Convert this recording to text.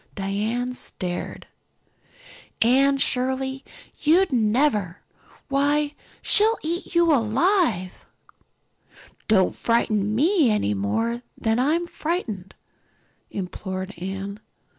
Diana stared. "Anne Shirley, you'd never! why she'll eat you alive!" "Don't frighten me any more than I am frightened," implored Anne.